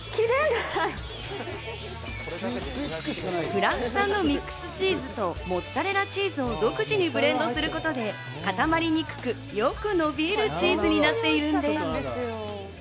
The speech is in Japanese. フランス産のミックスチーズとモッツァレラチーズを独自にブレンドすることで、固まりにくく、よくのびるチーズになっているのです。